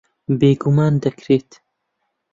بێگومان دەکرێت.